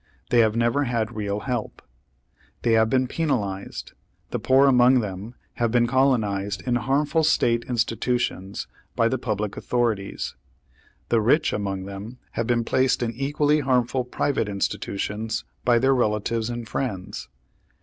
They have never had real help. They have been penalized. The poor among them have been colonized in harmful state institutions by the public authorities; the rich among them have been placed in equally harmful private institutions by their relatives and friends.